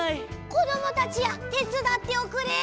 こどもたちやてつだっておくれ！